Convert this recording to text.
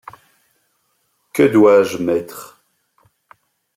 Que dois-je mettre ?